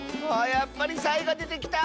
やっぱりサイがでてきた！